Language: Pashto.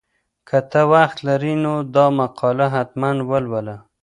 که ته وخت لرې نو دا مقاله حتماً ولوله.